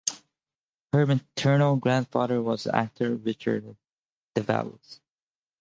Her maternal grandfather was actor Richard Davalos.